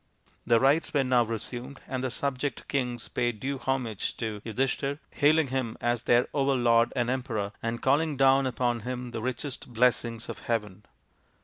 The rites were now resumed, and the subject kings paid due homage to Yudhishthir, hailing him as their overlord and emperor, and calling down upon him the richest blessings of heaven.